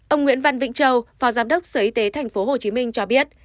ông nguyễn văn vịnh châu phó giám đốc sở y tế tp hcm cho biết